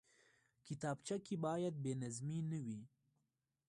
کتابچه کې باید بېنظمي نه وي